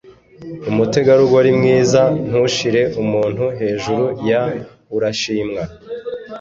umutegarugori mwiza, ntushire umuntu hejuru ya (urashimwa)